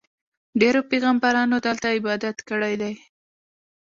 ډېرو پیغمبرانو دلته عبادت کړی دی.